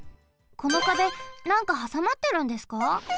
この壁なんかはさまってるんですか？